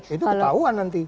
itu ketahuan nanti